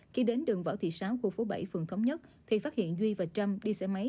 khi đến đường võ thị sáu khu phố bảy phường thống nhất thì phát hiện duy và trâm đi xe máy